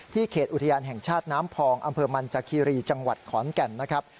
เขตอุทยานแห่งชาติน้ำพองอำเภอมันจากคีรีจังหวัดขอนแก่นนะครับ